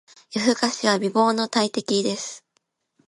夜更かしは美容の大敵です。